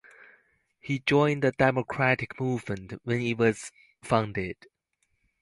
He joined the Democratic Movement when it was founded.